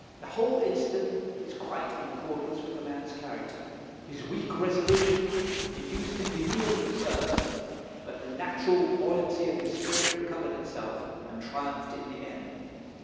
The whole incident is quite in accordance with the man's character. His weak resolution induced him at first to yield, but the natural buoyancy of his spirit recovered itself, and triumphed in the end.